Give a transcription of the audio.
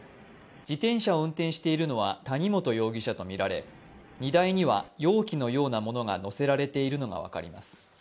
自転車を運転しているのは谷本容疑者とみられ、荷台には容器のようなものが載せられているのが分かります。